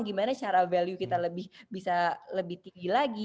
gimana cara value kita bisa lebih tinggi lagi